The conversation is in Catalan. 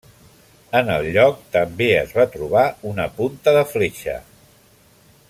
En el lloc també es va trobar una punta de fletxa.